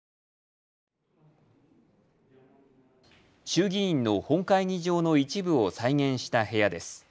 衆議院の本会議場の一部を再現した部屋です。